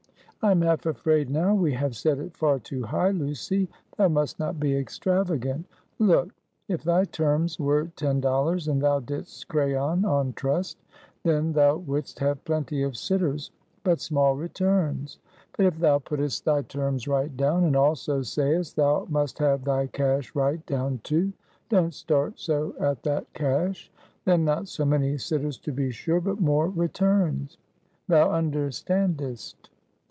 "I am half afraid now we have set it far too high, Lucy. Thou must not be extravagant. Look: if thy terms were ten dollars, and thou didst crayon on trust; then thou wouldst have plenty of sitters, but small returns. But if thou puttest thy terms right down, and also sayest thou must have thy cash right down too don't start so at that cash then not so many sitters to be sure, but more returns. Thou understandest."